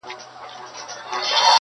• زما د زړه کوتره.